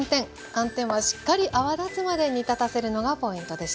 寒天はしっかり泡立つまで煮立たせるのがポイントでした。